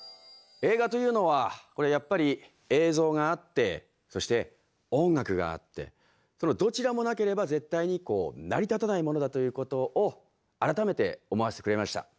映画というのはこれやっぱり映像があってそして音楽があってそのどちらもなければ絶対にこう成り立たないものだということを改めて思わせてくれました。